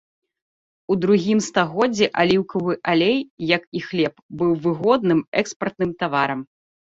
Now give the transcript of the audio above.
У другім стагоддзі аліўкавы алей, як і хлеб, быў выгодным экспартным таварам.